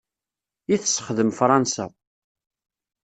I tessexdem Fransa.